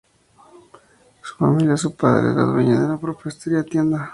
La familia de su padre era dueña de una prospera tienda.